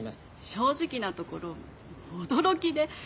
「正直なところ驚きで」